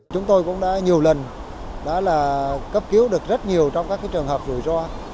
chúng tôi cũng đã nhiều lần đã cấp cứu được rất nhiều trong các trường hợp rủi ro